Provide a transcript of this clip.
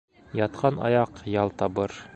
Ятҡан аяҡ ял табыр